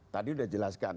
tadi sudah dijelaskan